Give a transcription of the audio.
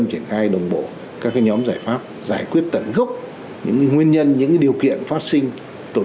triển khai đồng bộ các nhóm giải pháp giải quyết tận gốc những nguyên nhân những điều kiện phát sinh tội